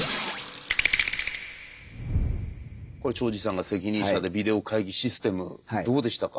これ長司さんが責任者でビデオ会議システムどうでしたか？